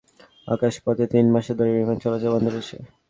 চাহিদা থাকার পরও ঢাকা-ঈশ্বরদী আকাশপথে তিন মাস ধরে বিমান চলাচল বন্ধ রয়েছে।